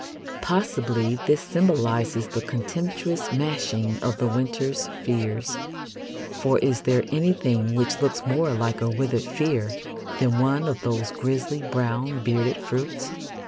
Possibly this symbolises the contemptuous smashing of the winter's fears, for is there anything which looks more like a withered fear than one of those grisly brown bearded fruits?